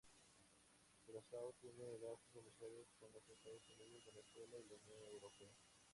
Curazao tiene lazos comerciales con los Estados Unidos, Venezuela y la Unión Europea.